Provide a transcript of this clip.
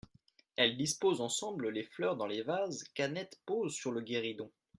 Elles disposent ensemble les fleurs dans les vases qu’Annette pose sur le guéridon.